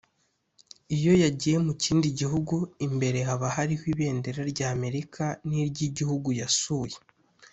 Iyo yagiye mu kindi gihugu imbere haba hariho ibendera rya Amerika n'iry'igihugu yasuye